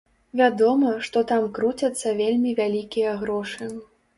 Вядома, што там круцяцца вельмі вялікія грошы.